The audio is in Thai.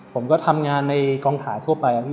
ผมก็ทำงานในกองถ่ายทั่วไป